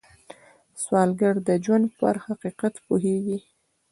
سوالګر د ژوند پر حقیقت پوهېږي